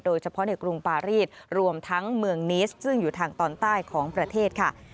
โดยเฉพาะในกรุงปารีสรวมทั้งเมืองนิสซึ่งอยู่ทางตอนใต้ของประเทศค่ะ